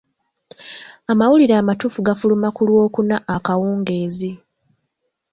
Amawulire amatuufu gafuluma ku Lwokuna akawungeezi.